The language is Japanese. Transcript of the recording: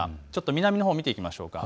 南のほうを見ていきましょう。